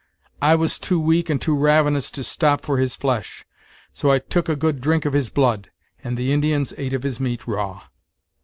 I was too weak and too ravenous to stop for his flesh, so I took a good drink of his blood, and the Indians ate of his meat raw.